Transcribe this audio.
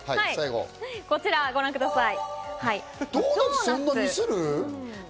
こちらをご覧ください。